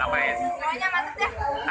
gak banyak maksudnya